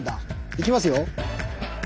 いきますよ。